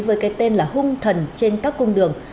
với cái tên là hung thần trên các cung đường